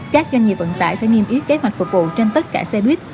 các doanh nghiệp vận tải phải nghiêm yếp kế hoạch phục vụ trên tất cả xe bít